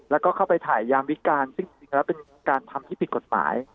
แล้วก็เข้าไปถ่ายยามวิการซึ่งจริงแล้วเป็นการทำที่ผิดกฎหมาย